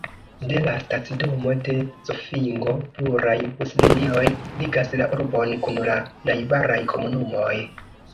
De la stacidomo de Zofingo pluraj buslinioj ligas la urbon kun la najbaraj komunumoj.